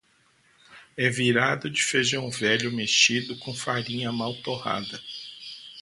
É virado de feijão velho mexido com farinha mal torrada.